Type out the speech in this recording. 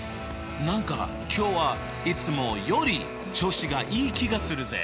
何か今日はいつもより調子がいい気がするぜ！